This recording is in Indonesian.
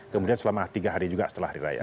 kemudian selama tiga hari juga setelah hari raya